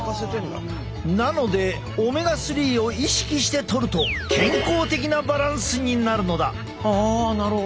なのでオメガ３を意識してとると健康的なバランスになるのだ。